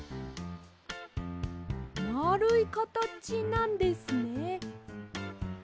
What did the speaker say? まあるいかたちなんですね。